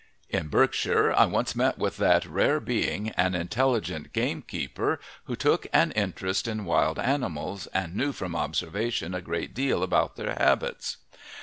In Berkshire I once met with that rare being, an intelligent gamekeeper who took an interest in wild animals and knew from observation a great deal about their habits.